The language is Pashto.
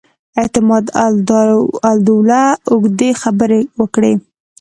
اعتماد الدوله اوږدې خبرې وکړې.